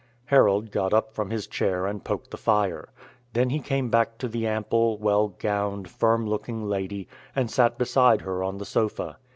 Harold got up from his chair and poked the fire. Then he came back to the ample, well gowned, firm looking lady, and sat beside her on the sofa.